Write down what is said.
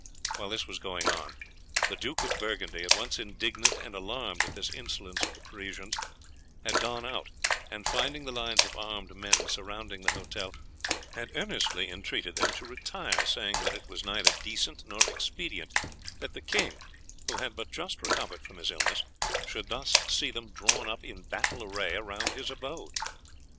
While this was going on, the Duke of Burgundy, at once indignant and alarmed at this insolence of the Parisians, had gone out, and, finding the lines of armed men surrounding the hotel, had earnestly entreated them to retire, saying that it was neither decent nor expedient that the king, who had but just recovered from his illness, should thus see them drawn up in battle array round his abode.